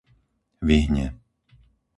Vyhne